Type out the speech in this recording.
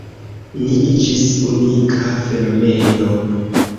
Ni iĝis unika fenomeno.